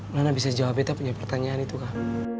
nona bisa jawab betap punya pertanyaan itu kak